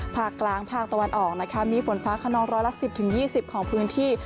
ภาคกลางภาคตะวันออกนะคะมีฝนฟ้าขนองร้อยละ๑๐๒๐ของพื้นที่